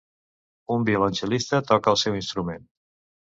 Un violoncel·lista toca el seu instrument.